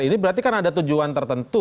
ini berarti kan ada tujuan tertentu